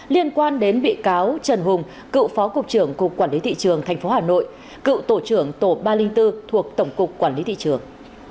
liên quan đến bị cáo trần hùng cựu phó cục trưởng cục quản lý thị trường tp hà nội cựu tổ trưởng tổ ba trăm linh bốn thuộc tổng cục quản lý thị trường